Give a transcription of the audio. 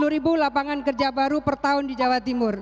tujuh ratus lima puluh ribu lapangan kerja baru per tahun di jawa timur